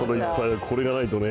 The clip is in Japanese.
これがないとね。